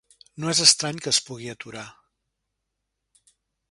No és estrany que es pugui aturar.